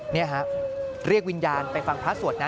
นี่ครับเรียกวิญญาณไปฟังพระสวรรค์นะ